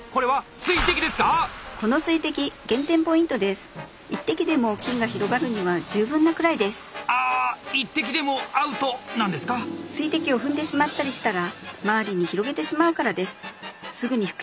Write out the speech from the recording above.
水滴を踏んでしまったりしたらまわりに広げてしまうからです。